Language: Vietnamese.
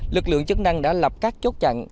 lực lượng chức năng đã lập các chốt chặn